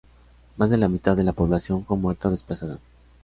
Más de la mitad de la población fue muerta o desplazada.